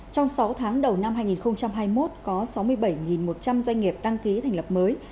trong sáu tháng đầu năm hai nghìn hai mươi một có sáu mươi bảy một trăm linh doanh nghiệp đăng ký thành lập mới